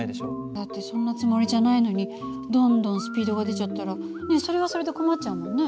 だってそんなつもりじゃないのにどんどんスピードが出ちゃったらそれはそれで困っちゃうもんね。